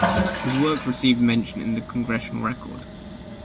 His work received mention in the "Congressional Record".